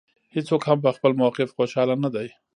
هېڅوک هم په خپل موقف خوشاله نه دی.